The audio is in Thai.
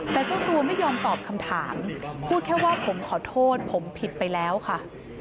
แต่เจ้าตัวไม่ยอมตอบคำถามพูดแค่ว่าผมขอโทษผมผิดไปแล้วค่ะ